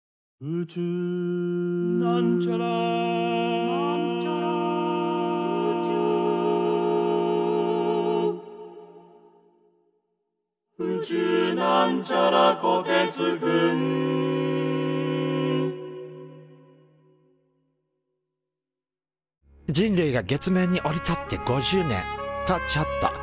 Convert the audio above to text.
「宇宙」人類が月面に降り立って５０年。とちょっと！